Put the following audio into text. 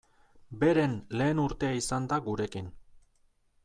Beren lehen urtea izan da gurekin.